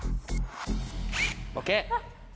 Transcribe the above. ＯＫ！